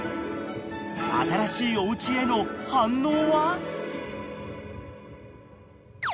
［新しいおうちへの反応は？］